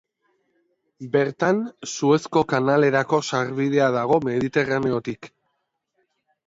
Bertan, Suezko kanalerako sarbidea dago, Mediterraneotik.